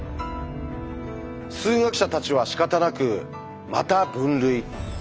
数学者たちはしかたなくまた分類。